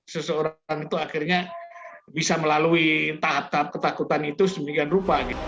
seseorang itu akhirnya bisa melalui tahap tahap ketakutan itu sedemikian rupa